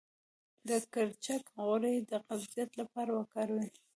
د کرچک غوړي د قبضیت لپاره وکاروئ